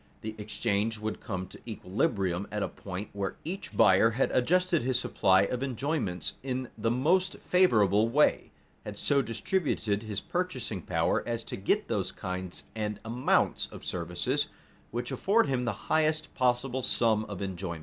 The exchange would come to equilibrium at a point where each buyer had adjusted his supply of enjoyments in the most favorable way, had so distributed his purchasing power as to get those kinds and amounts of services which afford him the highest possible sum of enjoyment.